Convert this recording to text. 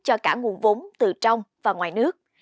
cho cả nguồn vốn từ trong và ngoài nước